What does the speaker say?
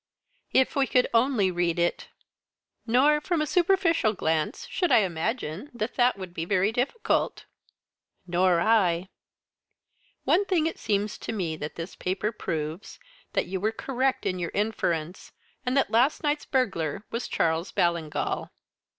"If we could only read it!" "Nor, from a superficial glance, should I imagine that that would be very difficult." "Nor I." "One thing it seems to me that this paper proves that you were correct in your inference, and that last night's burglar was Charles Ballingall."